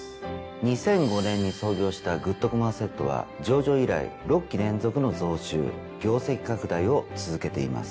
２００５年に創業したグッドコムアセットは上場以来６期連続の増収業績拡大を続けています。